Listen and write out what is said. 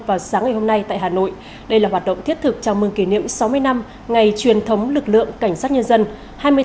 vào sáng ngày hôm nay tại hà nội đây là hoạt động thiết thực chào mừng kỷ niệm sáu mươi năm ngày truyền thống lực lượng cảnh sát nhân dân